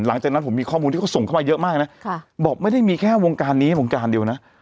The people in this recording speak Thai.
หลังจากนั้นผมมีข้อมูลที่เขาส่งเข้ามาเยอะมากนะบอกไม่ได้มีแค่วงการนี้วงการเดียวนะ